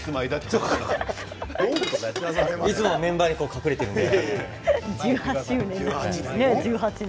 ふだんはメンバーに隠れているので。